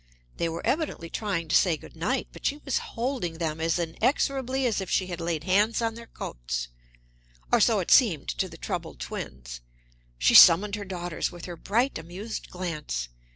They were evidently trying to say good night, but she was holding them as inexorably as if she had laid hands on their coats; or so it seemed to the troubled twins. She summoned her daughters with her bright, amused glance.